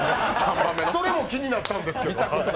それも気になったんですけど。